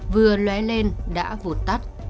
vừa lé lên đã vụt tắt